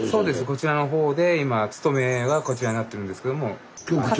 こちらの方で今勤めがこちらになってるんですけども。